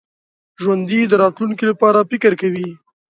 ژوندي د راتلونکي لپاره فکر کوي